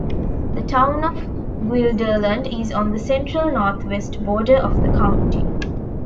The town of Guilderland is on the central-northwest border of the county.